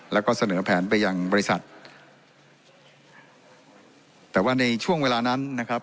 แล้วก็เสนอแผนไปยังบริษัทแต่ว่าในช่วงเวลานั้นนะครับ